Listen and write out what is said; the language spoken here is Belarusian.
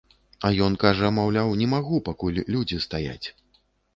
А ён кажа, маўляў, не магу, пакуль людзі стаяць.